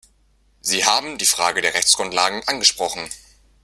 Sie haben die Frage der Rechtsgrundlagen angesprochen.